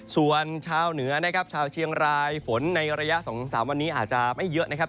ส่วนชาวเหนือนะครับชาวเชียงรายฝนในระยะ๒๓วันนี้อาจจะไม่เยอะนะครับ